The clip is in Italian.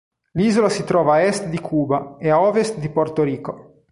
L'isola si trova a est di Cuba e a ovest di Porto Rico.